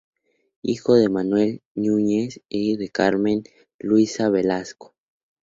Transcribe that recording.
Hijo de Manuel Yáñez y de Carmen Luisa Velasco.